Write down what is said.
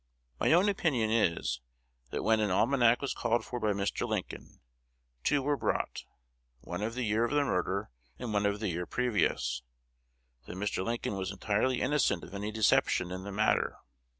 My own opinion is, that when an almanac was called for by Mr. Lincoln, two were brought, one of the year of the murder, and one of the year previous; that Mr. Lincoln was entirely innocent of any deception in the matter.